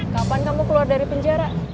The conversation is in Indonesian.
kapan kamu keluar dari penjara